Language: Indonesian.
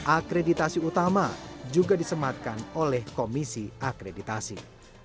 akreditasi utama juga disematkan oleh komisi akreditasi